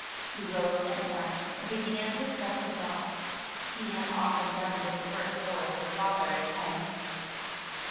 He rose at once, and began to cut the blocks. He had often done this work for his father at home.